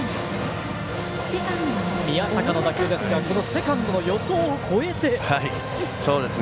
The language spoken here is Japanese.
宮坂の打球ですがセカンドの予想を超えて。